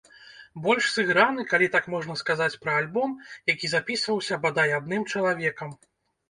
Больш сыграны, калі так можна сказаць пра альбом, які запісваўся бадай адным чалавекам.